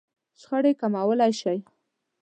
-شخړې کموالی شئ